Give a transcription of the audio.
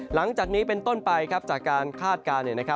หลังจากนี้เป็นต้นไปครับจากการคาดการณ์นะครับ